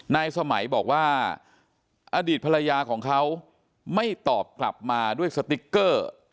สมัยบอกว่าอดีตภรรยาของเขาไม่ตอบกลับมาด้วยสติ๊กเกอร์